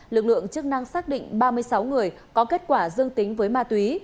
lực lượng chức năng xác định ba mươi sáu người có kết quả dương tính với ma túy